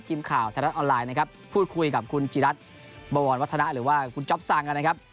ทีมข่าวไทยรัฐออนไลน์นะครับพูดคุยกับคุณจิรัตน์บวรวัฒนะหรือว่าคุณจ๊อปซังนะครับ